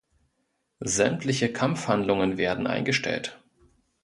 Sämtliche Kampfhandlungen werden eingestellt.